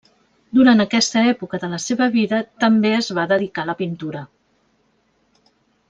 Durant aquesta època de la seva vida també es va dedicar a la pintura.